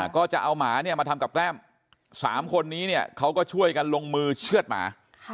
ก็จะเอาหมาเนี่ยมาทำกับแก้ม๓คนนี้เนี่ยเขาก็ช่วยกันลงมือเชื่อดหมา